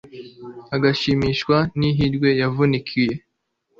agashimishwa n'ihirwe yavunikiye